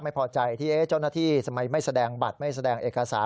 ไม่พอใจที่เจ้าหน้าที่ทำไมไม่แสดงบัตรไม่แสดงเอกสาร